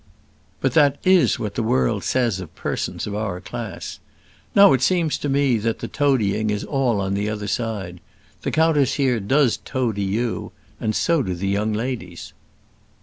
"But that is what the world says of persons of our class. Now it seems to me that the toadying is all on the other side. The countess here does toady you, and so do the young ladies."